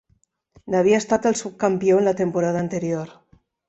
N'havia estat el subcampió en la temporada anterior.